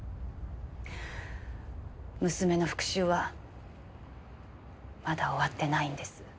娘の復讐はまだ終わってないんです。